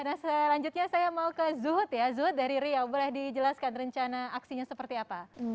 nah selanjutnya saya mau ke zuhud ya zuhud dari riau boleh dijelaskan rencana aksinya seperti apa